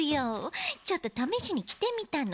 ちょっとためしにきてみたの。